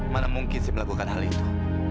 mana mungkin si melakukan hal itu